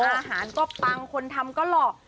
อาหารก็ปังคนทำก็หลอก